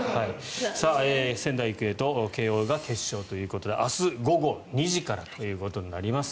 仙台育英と慶応が決勝ということで明日午後２時からということになります。